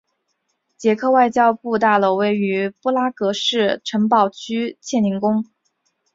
捷克外交部大楼位于布拉格市城堡区切宁宫。